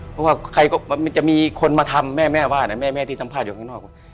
เพราะว่าใครก็จะมีคนมาทำแม่แม่ว่านะแม่ที่สัมภาษณ์อยู่ข้างนอก